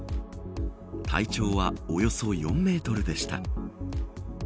体長はおよそ４メートルでした。